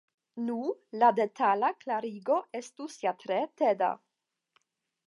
Nu, la detala klarigo estus ja tre teda.